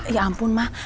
ya ampun mah